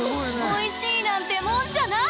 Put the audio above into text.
おいしいなんてもんじゃない！